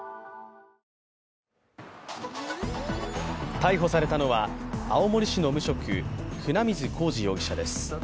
逮捕されたのは青森市の無職、船水公慈容疑者です。